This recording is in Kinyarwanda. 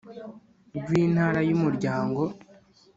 rw Intara y Umuryango